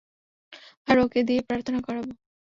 আর ওকে দিয়ে প্রার্থনা করাবো।